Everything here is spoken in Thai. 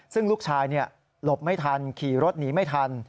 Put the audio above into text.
ซึ่งลูกชายหลบไม่ทันขี่รถหนีไม่ทัน